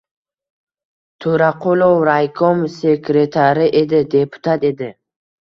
To‘raqulov raykom sekretari edi, deputat edi